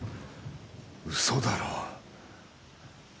嘘だろ。